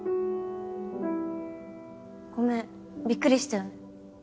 ごめんびっくりしたよね。